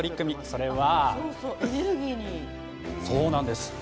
それは。